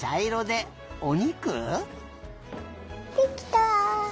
できた！